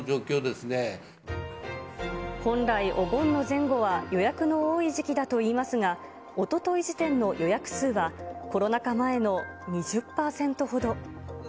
本来、お盆の前後は予約が多い時期だといいますが、おととい時点の予約数は、コロナ禍前の２０％ほど。